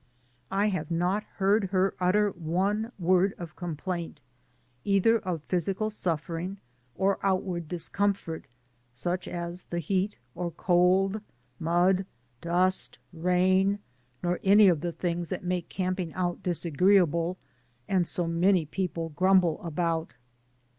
I have not heard her utter one word of complaint, either of physical suffering or outward discomfort, such as the heat or cold, mud, dust, rain, nor any of the things that make camping out disagreeable, and so many people grumble about.